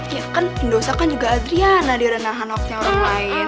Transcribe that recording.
ya kan pendosa kan juga adriana di renang hanoknya orang lain